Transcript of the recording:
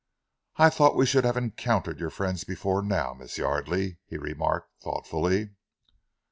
"I thought we should have encountered your friends before now, Miss Yardely," he remarked thoughtfully.